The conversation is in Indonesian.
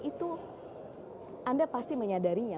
itu anda pasti menyadarinya